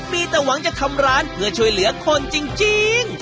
มีแต่หวังจะทำร้านเพื่อช่วยเหลือคนจริง